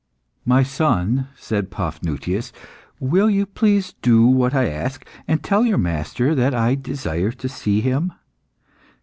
"My son," said Paphnutius, "will you please do what I ask, and tell your master that I desire to see him.